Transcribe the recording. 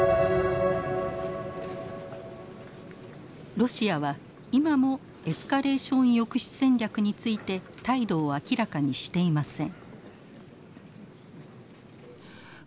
ロシアは今もエスカレーション抑止戦略について態度を明らかにしていません。